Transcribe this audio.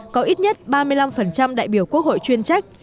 có ít nhất ba mươi năm đại biểu quốc hội chuyên trách